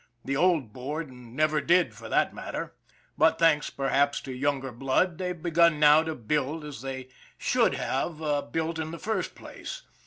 The old board never did, for that matter; but, thanks perhaps to younger blood, they've begun now to build as they should have 153 154 ON THE IRON AT BIG CLOUD built in the first place.